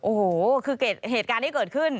โอ้โหคือเหตุการณ์ที่เกิดขึ้น